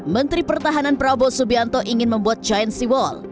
menteri pertahanan prabowo subianto ingin membuat giant sea wall